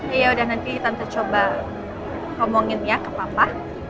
iya udah nanti tante coba ngomongin ya ke papa